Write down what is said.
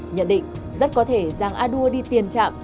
nhận định rất có thể giang a đua đi tiền trạm